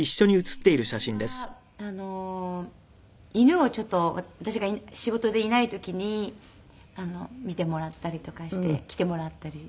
姉は犬をちょっと私が仕事でいない時に見てもらったりとかして来てもらったり。